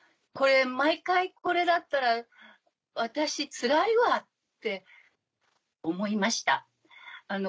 これ毎回これだったら私つらいわって思いました。